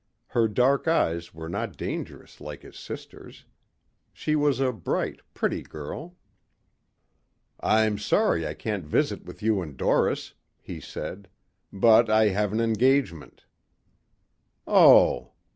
Her dark eyes were not dangerous like his sister's. She was a bright, pretty girl. "I'm sorry I can't visit with you and Doris," he said. "But I have an engagement." "Oh."